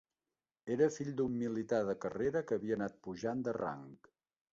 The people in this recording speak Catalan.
Era fill d'un militar de carrera que havia anat pujant de rang.